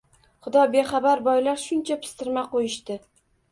Xudobexabar boylar shuncha pistirma qo‘yishdi